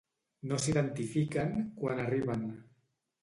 No s'identifiquen quan arriben.